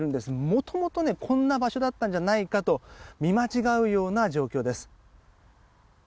もともとこんな場所だったのではないかと見間違うような状況です。